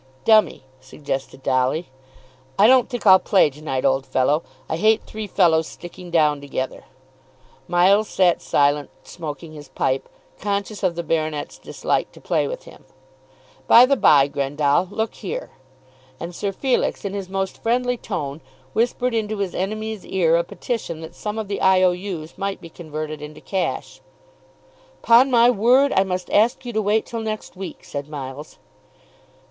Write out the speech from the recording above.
"Dummy," suggested Dolly. "I don't think I'll play to night, old fellow. I hate three fellows sticking down together." Miles sat silent, smoking his pipe, conscious of the baronet's dislike to play with him. "By the bye, Grendall, look here." And Sir Felix in his most friendly tone whispered into his enemy's ear a petition that some of the I. O. U.'s might be converted into cash. "'Pon my word, I must ask you to wait till next week," said Miles.